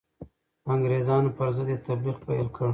د انګرېزانو پر ضد یې تبلیغ پیل کړ.